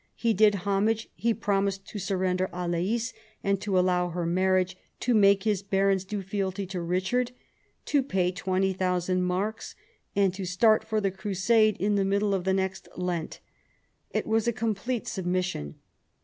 He did homage, he promised to surrender Alais and to allow her marriage, to make his barons do fealty to Eichard, to pay 20,000 marks, and to start for the crusade in the middle of the next Lent. It was a complete submission.